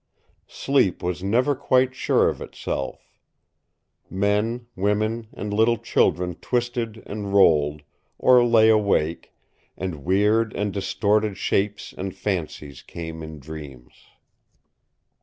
Sleep was never quite sure of itself. Men, women and little children twisted and rolled, or lay awake, and weird and distorted shapes and fancies came in dreams.